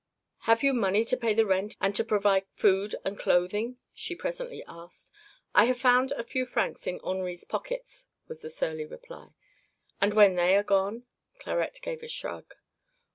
"Have you money to pay the rent and to provide food and clothing?" she presently asked. "I have found a few francs in Henri's pockets," was the surly reply. "And when they are gone?" Clarette gave a shrug.